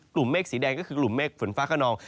เมฆสีแดงก็คือกลุ่มเมฆฝนฟ้าขนอง